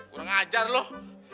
kurang ajar loh